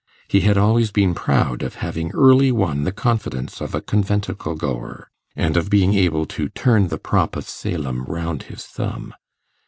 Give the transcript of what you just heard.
He had always been proud of having early won the confidence of a conventicle goer, and of being able to 'turn the prop of Salem round his thumb'.